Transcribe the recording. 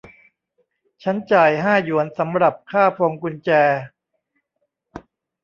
ฉันจ่ายห้าหยวนสำหรับค่าพวงกุญแจ